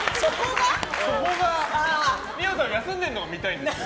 二葉さんが休んでるのが見たいんですよ。